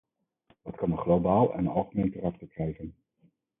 Dat kan een globaal en algemeen karakter krijgen.